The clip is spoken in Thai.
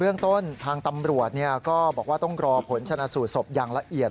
เรื่องต้นทางตำรวจก็บอกว่าต้องรอผลชนะสูตรศพอย่างละเอียด